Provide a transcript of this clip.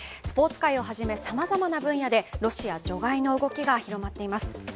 スポーツ界をはじめ、さまざまな分野でロシア除外の動きが広がっています。